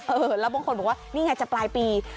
แล้วบางคนบอกว่านี่ไงจะปลายปี